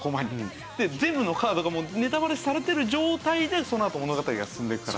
で全部のカードがもうネタバレされてる状態でそのあと物語が進んでいくから。